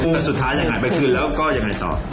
แต่สุดท้ายอย่างไรไปคืนแล้วก็อย่างไรต่อ